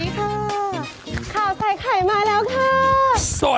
สวัสดีค่ะข่าวใส่ไข่มาแล้วค่ะสด